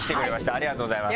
ありがとうございます。